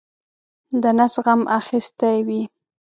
د نس غم اخیستی وي.